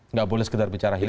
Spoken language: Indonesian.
nggak boleh sekedar bicara hilir